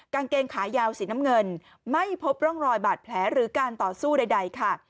กางเกงขายาวสีน้ำเงินไม่พบร่องรอยบาดแผลหรือการต่อสู้ใดค่ะ